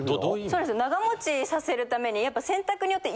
そうですね長持ちさせるために。